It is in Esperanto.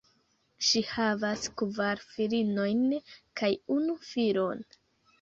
Ŝi havas kvar filinojn kaj unu filon.